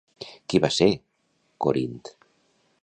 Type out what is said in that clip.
Qui va ser Corint?